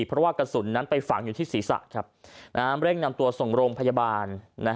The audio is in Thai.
เพราะว่ากระสุนนั้นไปฝังอยู่ที่ศีรษะเร่งนำตัวส่งโรงพยาบาล